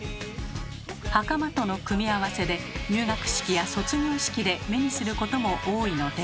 はかまとの組み合わせで入学式や卒業式で目にすることも多いのでは？